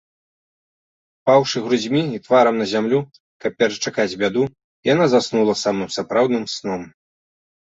Упаўшы грудзьмі і тварам на зямлю, каб перачакаць бяду, яна заснула самым сапраўдным сном.